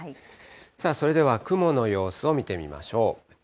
さあ、それでは雲の様子を見てみましょう。